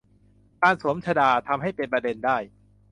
การสวมชฏา ทำให้เป็นประเด็นได้